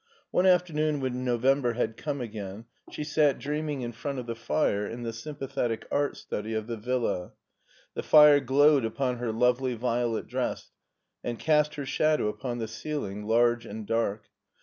One afternoon when November had come again she sat dreaming in front of the fire in the sympathetic art study of the villa. The fire glowed upon her lovely violet dress, and cast her shadow upon the ceiling, large and dark.